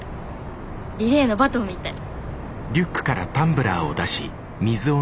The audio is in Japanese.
リレーのバトンみたい。